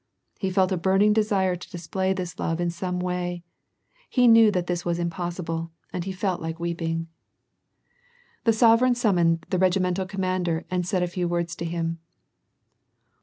He felt a burning desire to display this love in some way. He knew that this was impossible, and he felt like weeping. 298 WAR AND PEACE. The sovereign summoned the regimental commander and said a few words to him.